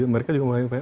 mereka juga memainkan